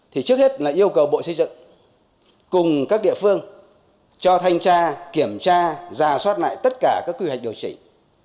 thì trước hết là yêu cầu bộ xây dựng cùng các địa phương cho thanh tra kiểm tra giả soát lại tất cả các quy hoạch điều chỉnh